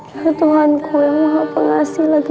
ya tuhanku yang maha pengasih